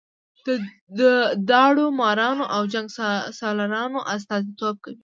د داړه مارانو او جنګ سالارانو استازي توب کوي.